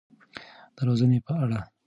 د روزنې په اړه.